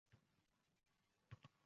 Keyin meni chetga imladi.